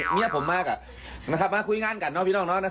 เมียผมมากอ่ะมาคุยงานกับพี่น้องนะครับ